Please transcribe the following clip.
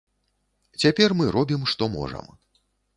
Цяпер мы робім, што можам.